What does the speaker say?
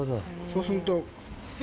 そうすると。